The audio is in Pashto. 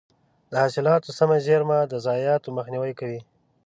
د حاصلاتو سمه زېرمه د ضایعاتو مخنیوی کوي.